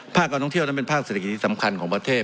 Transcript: การท่องเที่ยวนั้นเป็นภาคเศรษฐกิจสำคัญของประเทศ